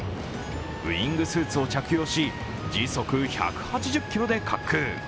ウイングスーツを着用し、時速１８０キロで滑空。